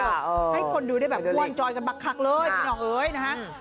ให้คนดูได้แบบอ้วนจอยกันบักคักเลยพี่น้องเอ๋ยนะฮะ